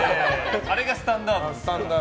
あれがスタンダードですから。